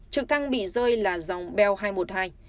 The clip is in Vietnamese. trực thăng bị rơi là dòng bel hai trăm một mươi hai